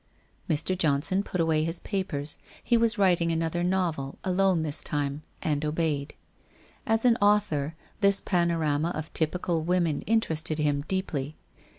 Mr. Johnson put away his papers — he was writing an other novel, alone, this time — and obeyed. As an author, this panorama of typical women interested him deeply.